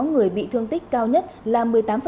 sáu người bị thương tích cao nhất là một mươi tám